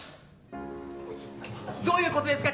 どういう事ですか？